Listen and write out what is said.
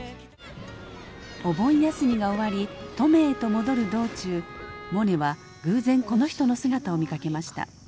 お盆休みが終わり登米へと戻る道中モネは偶然この人の姿を見かけました。